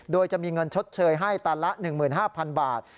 โดยจะมีเงินชดเชยให้ตันละ๑๕๐๐๐บาท